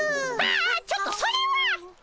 ああちょっとそれは！